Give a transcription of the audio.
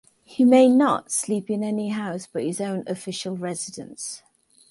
He may not sleep in any house but his own official residence.